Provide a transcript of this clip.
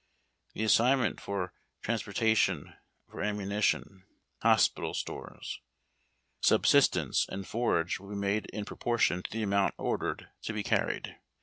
The assignment for transportation for ammunition, hospital stores, subsist ence, and forage will be made in proportion to the amount ordered to be car ried.